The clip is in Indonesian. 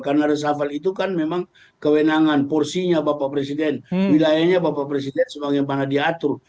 karena resafal itu kan memang kewenangan porsinya bapak presiden wilayahnya bapak presiden semuanya mana diatur